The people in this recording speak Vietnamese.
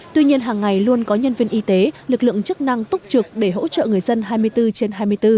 tuy nhiên hàng ngày luôn có nhân viên y tế lực lượng chức năng túc trực để hỗ trợ người dân hai mươi bốn trên hai mươi bốn